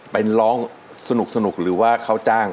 ไปร้องสนุกหรือว่าเขาจ้าง